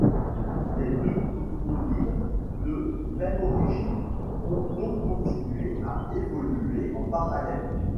Les deux toponymes, de même origine, ont donc continué à évoluer en parallèle.